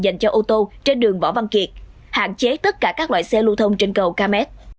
dành cho ô tô trên đường võ văn kiệt hạn chế tất cả các loại xe lưu thông trên cầu km